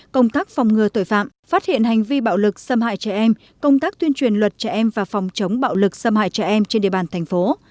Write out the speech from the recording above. công tác phòng ngừa tội phạm phát hiện hành vi bạo lực xâm hại trẻ em công tác tuyên truyền luật trẻ em và phòng chống bạo lực xâm hại trẻ em trên địa bàn thành phố